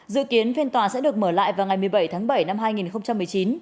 dự kiến phiên tòa sẽ được mở lại vào ngày một mươi bảy tháng bảy năm hai nghìn một mươi chín